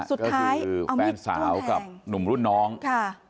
สุดท้ายแฟนสาวกับหนุ่มรุ่นน้องค่ะ